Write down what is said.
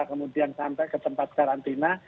kemudian sampai ke tempat karantina